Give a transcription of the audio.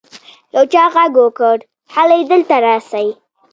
يو چا ږغ وکړ هلئ دلته راسئ.